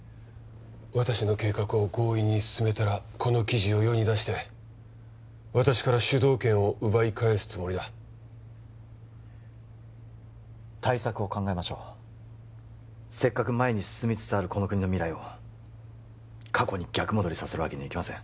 私の計画を強引に進めたらこの記事を世に出して私から主導権を奪い返すつもりだ対策を考えましょうせっかく前に進みつつあるこの国の未来を過去に逆戻りさせるわけにはいきません